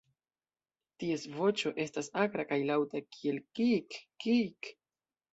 Ties voĉo estas akra kaj laŭta, kiel kiik-kiik!!